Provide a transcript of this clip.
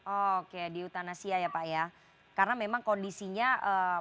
oke di utanasia ya pak ya karena memang kondisinya menangis